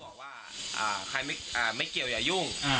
บอกว่าอ่าใครไม่อ่าไม่เกี่ยวอย่ายุ่งอืม